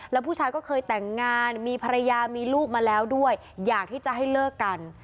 แล้วผู้ชายก็เคยแต่งงานมีภรรยามีลูกมาแล้วด้วยอยากที่จะให้เลิกกัน